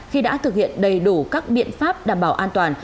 khi đã thực hiện đầy đủ các biện pháp đảm bảo an toàn